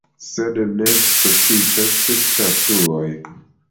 Sed ne sufiĉas statuoj.